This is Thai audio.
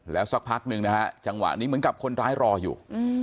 แล้วสักพักหนึ่งนะฮะจังหวะนี้เหมือนกับคนร้ายรออยู่